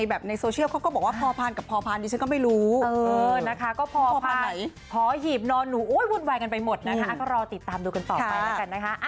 ในโซเชียลเขาก็บอกว่าพอพันกับพอพานดิฉันก็ไม่รู้นะคะก็พอพาหีบนอนหนูวุ่นวายกันไปหมดนะคะก็รอติดตามดูกันต่อไปแล้วกันนะคะ